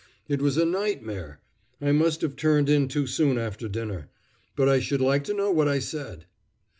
"It was a nightmare! I must have turned in too soon after dinner. But I should like to know what I said."